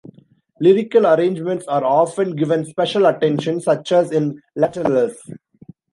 Lyrical arrangements are often given special attention, such as in "Lateralus".